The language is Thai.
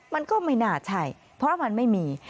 มันก็ไม่น่าใช่เพราะมันไม่มี